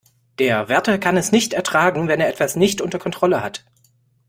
Der Wärter kann es nicht ertragen, wenn er etwas nicht unter Kontrolle hat.